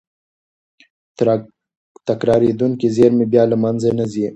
تکرارېدونکې زېرمې بیا له منځه نه ځي.